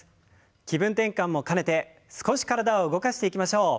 気分転換も兼ねて少し体を動かしていきましょう。